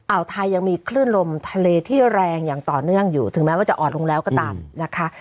วไทยยังมีคลื่นลมทะเลที่แรงอย่างต่อเนื่องอยู่ถึงแม้ว่าจะอ่อนลงแล้วก็ตามนะคะ